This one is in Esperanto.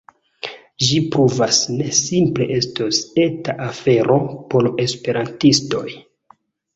Ĝi pruvas ne simple estos eta afero por esperantistoj